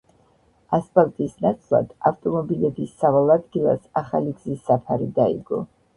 ასფალტის ნაცვლად, ავტომობილების სავალ ადგილას ახალი გზის საფარი დაიგო.